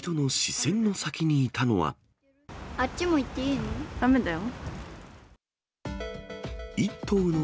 あっちも行っていいの？